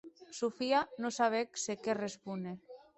Sofia non sabec se qué respóner.